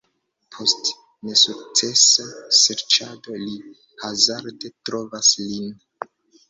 Post nesukcesa serĉado, li hazarde trovas lin.